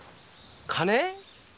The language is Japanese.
「金」？